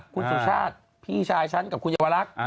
คุณสุชาติพี่ชายฉันกับคุณเยาวรักษ์